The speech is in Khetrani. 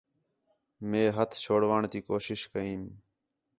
مئے ہتھ چُھڑاوݨ تی کوشش کیئم